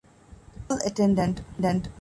ކޯލް އެޓެންޑެންޓް